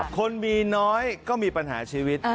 คนมีน้อยก็มีปัญหาชีวิต